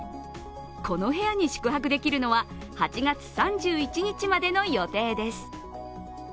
この部屋に宿泊できるのは８月３１日までの予定です。